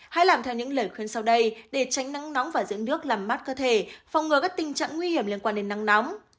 hãy làm theo những lời khuyên sau đây để tránh nắng nóng và dựng nước làm mát cơ thể phòng ngừa các tình trạng nguy hiểm liên quan đến nắng nóng